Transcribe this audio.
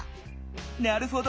なるほど。